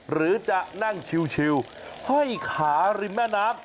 หรือจะนั่งชิวห้อยขาริมแม่น้ำ